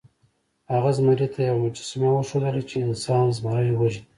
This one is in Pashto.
هغه زمري ته یوه مجسمه وښودله چې انسان زمری وژني.